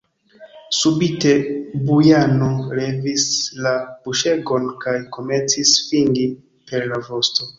Subite Bujano levis la buŝegon kaj komencis svingi per la vosto.